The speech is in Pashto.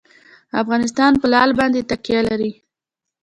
افغانستان په لعل باندې تکیه لري.